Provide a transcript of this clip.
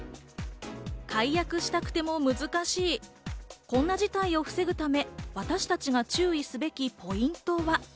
解約したくても難しい、こんな事態を防ぐため、私たちが注意すべきポイントは？